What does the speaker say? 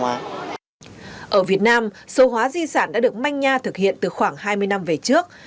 ở việt nam số hóa di sản đã được manh nha thực hiện từ khoảng hai mươi năm về trước